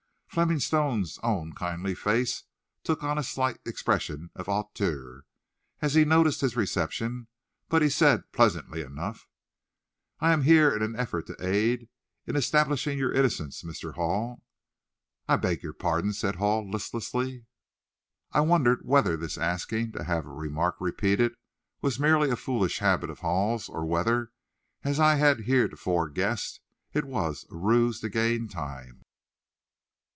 Fleming Stone's own kindly face took on a slight expression of hauteur, as he noticed his reception, but he said, pleasantly enough, "I am here in an effort to aid in establishing your innocence, Mr. Hall." "I beg your pardon?" said Hall listlessly. I wondered whether this asking to have a remark repeated was merely a foolish habit of Hall's, or whether, as I had heretofore guessed, it was a ruse to gain time.